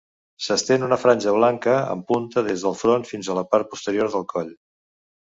S'estén una franja blanca amb punta des del front fins a la part posterior del coll.